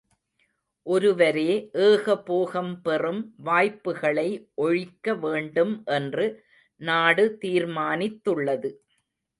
ஒருவரே ஏக போகம் பெறும் வாய்ப்புகளை ஒழிக்க வேண்டும் என்று நாடு தீர்மானித்துள்ளது.